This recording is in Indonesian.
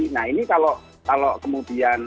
nah ini kalau kemudian